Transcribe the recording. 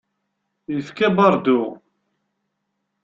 Yefka baṛdu.